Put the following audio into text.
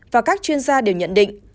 và các chuyên gia đều nhận định